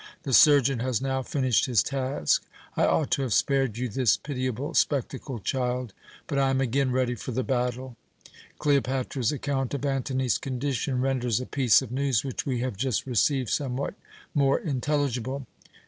The surgeon has now finished his task. I ought to have spared you this pitiable spectacle, child. But I am again ready for the battle. Cleopatra's account of Antony's condition renders a piece of news which we have just received somewhat more intelligible."